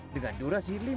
dengan durasi lima menit